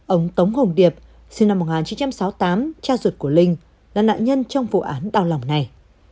ông tống hồng điệp sinh năm một nghìn chín trăm sáu mươi tám cha ruột của linh là nạn nhân trong vụ án đau lòng này